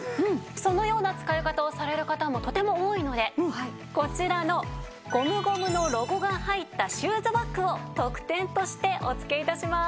そのような使い方をされる方もとても多いのでこちらのゴムゴムのロゴが入ったシューズバッグを特典としてお付け致します。